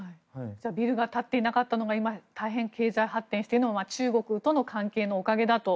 ビルが建っていなかったのが今、経済発展しているのは中国との関係のおかげだと。